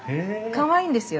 かわいいんですよ。